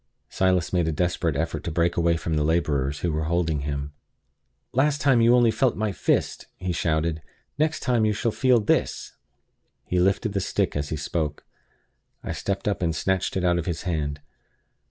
Silas made a desperate effort to break away from the laborers who were holding him. "Last time you only felt my fist!" he shouted "Next time you shall feel this!" He lifted the stick as he spoke. I stepped up and snatched it out of his hand.